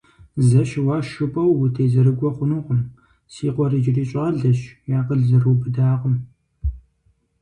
Зэ щыуащ жыпӀэу утезэрыгуэ хъунукъым, си къуэр иджыри щӀалэщ, и акъыл зэрыубыдакъым.